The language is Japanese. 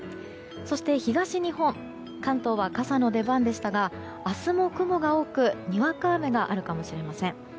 そして、東日本関東は傘の出番でしたが明日も雲が多く、にわか雨があるかもしれません。